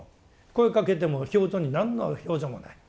声かけても表情に何の表情もない。